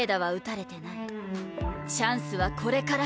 チャンスはこれから